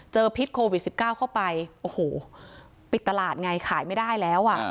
พิษโควิด๑๙เข้าไปโอ้โหปิดตลาดไงขายไม่ได้แล้วอ่ะ